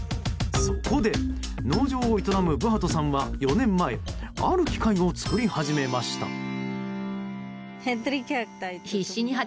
そこで農場を営むブハトさんは４年前ある機械を作り始めました。